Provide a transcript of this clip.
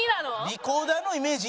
リコーダーのイメージ